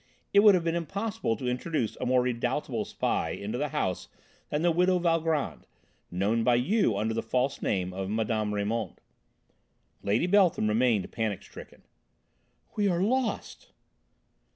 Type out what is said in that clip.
It would have been impossible to introduce a more redoubtable spy into the house than the widow Valgrand, known by you under the false name of Mme. Raymond." Lady Beltham remained panic stricken. "We are lost!"